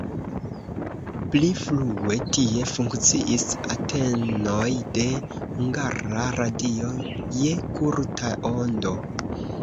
Pli frue tie funkciis antenoj de Hungara Radio je kurta ondo.